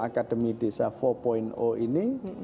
akademi desa empat ini